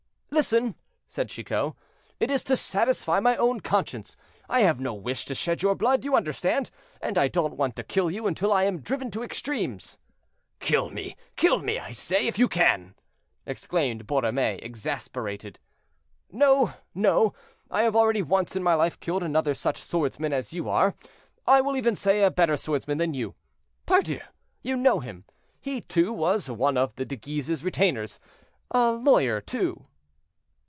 "Listen," said Chicot; "it is to satisfy my own conscience. I have no wish to shed your blood, you understand, and I don't want to kill you until I am driven to extremes." "Kill me, kill me, I say, if you can!" exclaimed Borromée, exasperated. "No, no; I have already once in my life killed another such swordsman as you are; I will even say a better swordsman than you. Pardieu! you know him; he, too, was one of De Guise's retainers—a lawyer, too."